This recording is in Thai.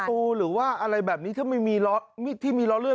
ประตูหรือว่าอะไรแบบนี้ที่ไม่มีล้อเลื่อน